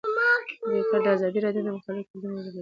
بیکاري د ازادي راډیو د مقالو کلیدي موضوع پاتې شوی.